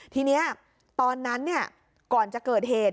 ทีนี้ตอนนั้นก่อนจะเกิดเหตุ